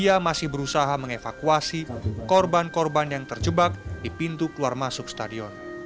ia masih berusaha mengevakuasi korban korban yang terjebak di pintu keluar masuk stadion